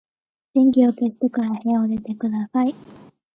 電気を消してから部屋を出てください。